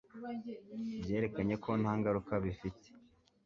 Bwerekanye ko ntangaruka bifite